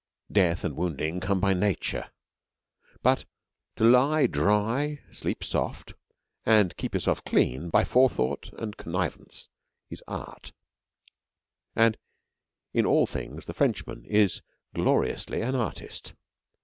Death and wounding come by nature, but to lie dry, sleep soft, and keep yourself clean by forethought and contrivance is art, and in all things the Frenchman is gloriously an artist.